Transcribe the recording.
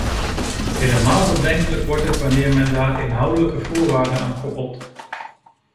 Helemaal bedenkelijk wordt het wanneer men daar inhoudelijke voorwaarden aan koppelt.